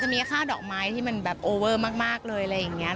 ที่มันโอเวอร์มากเลยอะไรอย่างนี้